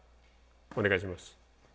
お願いします。